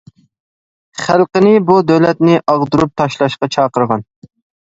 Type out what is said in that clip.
خەلقنى بۇ دۆلەتنى ئاغدۇرۇپ تاشلاشقا چاقىرغان.